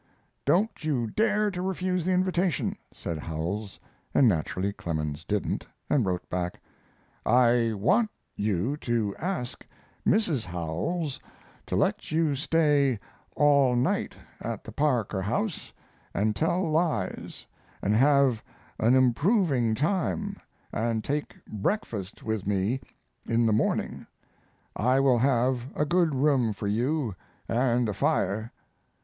"Don't you dare to refuse the invitation," said Howells, and naturally Clemens didn't, and wrote back: I want you to ask Mrs. Howells to let you stay all night at the Parker House and tell lies and have an improving time, and take breakfast with me in the morning. I will have a good room for you and a fire.